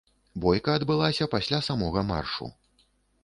Бойка адбылася пасля самога маршу.